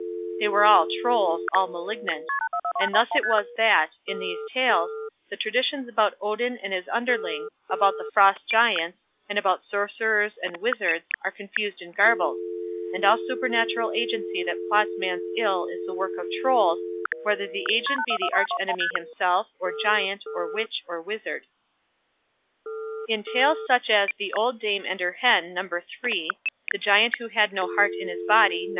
They were all Trolls, all malignant; and thus it is that, in these tales, the traditions about Odin and his underlings, about the Frost Giants, and about sorcerers and wizards, are confused and garbled; and all supernatural agency that plots man's ill is the work of Trolls, whether the agent be the arch enemy himself, or giant, or witch, or wizard. In tales such as "The Old Dame and her Hen", No. iii, "The Giant who had no Heart in his Body", No.